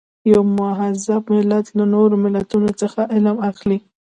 یو مهذب ملت له نورو ملتونو څخه علم اخلي.